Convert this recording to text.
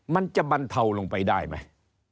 มันจะบรรเทาลงไปได้ไหม